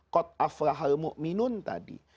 kot aflal hal mu'minun tadi